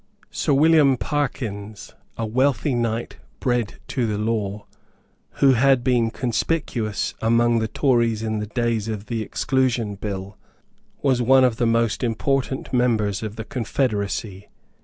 Sir William Parkyns, a wealthy knight bred to the law, who had been conspicuous among the Tories in the days of the Exclusion Bill, was one of the most important members of the confederacy.